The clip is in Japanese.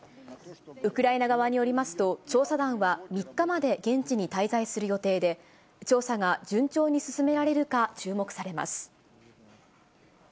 ウクライナ側によりますと、調査団は３日まで現地に滞在する予定で、調査が順調に進められるか注目されます。